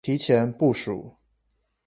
提前部署